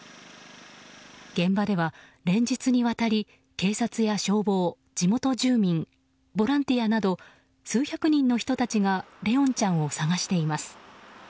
現場では連日にわたり警察や消防、地元住民ボランティアなど数百人の人たちが怜音ちゃんを捜しています。